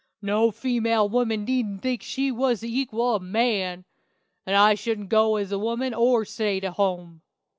"No female woman needn't think she was the equal of man; and I should go as a woman or stay to home.